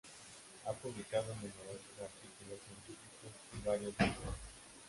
Ha publicado numerosos artículos científicos y varios libros.